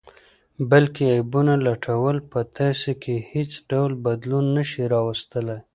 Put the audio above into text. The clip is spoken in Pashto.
بل کې عیبونه لټول په تاسې کې حیڅ ډول بدلون نه شي راوستلئ